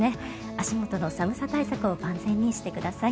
足元の寒さ対策を万全にしてください。